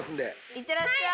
いってらっしゃい！